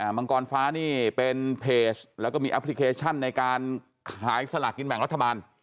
มังกรฟ้านี่เป็นเพจแล้วก็มีแอปพลิเคชันในการขายสลากกินแบ่งรัฐบาล